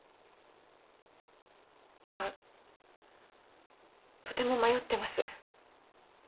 今とても迷ってます。